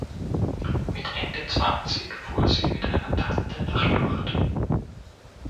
Mit Ende zwanzig fuhr sie mit einer Tante nach Lourdes.